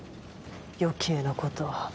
余計なことを。